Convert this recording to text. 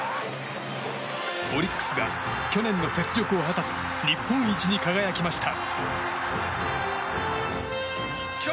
オリックスが去年の雪辱を果たす日本一に輝きました。